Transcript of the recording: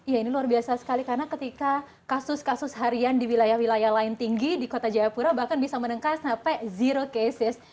ya ini luar biasa sekali karena ketika kasus kasus harian di wilayah wilayah lain tinggi di kota jayapura bahkan bisa menengkai sampai zero cases